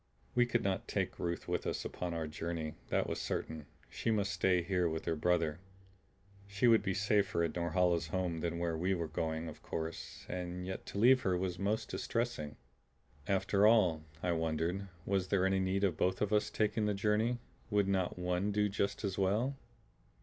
We could not take Ruth with us upon our journey; that was certain; she must stay here with her brother. She would be safer in Norhala's home than where we were going, of course, and yet to leave her was most distressing. After all, I wondered, was there any need of both of us taking the journey; would not one do just as well?